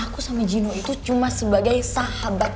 aku sama gino itu cuma sebagai sahabatku